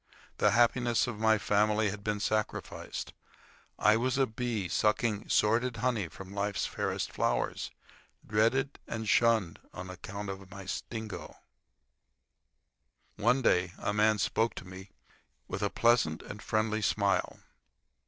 The happiness of my family had been sacrificed. I was a bee, sucking sordid honey from life's fairest flowers, dreaded and shunned on account of my sting. One day a man spoke to me, with a pleasant and friendly smile.